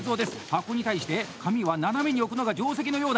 箱に対して紙は斜めに置くのが定石のようだ。